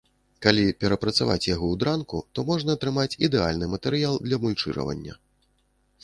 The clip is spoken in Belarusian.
Калі перапрацаваць яго ў дранку, то можна атрымаць ідэальны матэрыял для мульчыравання.